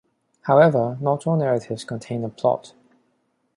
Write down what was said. However, not all narratives contain a plot.